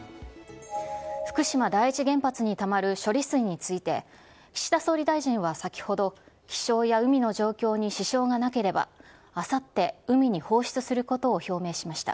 福島第一原発にたまる処理水について、岸田総理大臣は先ほど、気象や海の状況に支障がなければ、あさって、海に放出することを表明しました。